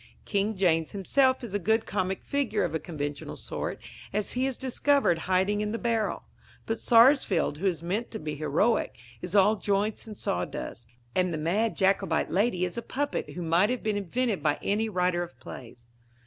King James himself is a good comic figure of a conventional sort, as he is discovered hiding in the barrel; but Sarsfield, who is meant to be heroic, is all joints and sawdust; and the mad Jacobite lady is a puppet who might have been invented by any writer of plays.